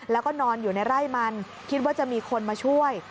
แล้วก็นอนอยู่ในไร่มันคิดว่าจะมีคนมาช่วย